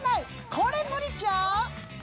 これ無理ちゃう？